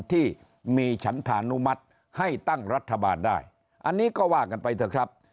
ที่มีฉันธานุมัติให้ตั้งรัฐบาลได้อันนี้ก็ว่ากันไปเถอะครับ